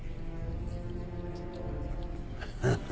ハハハ。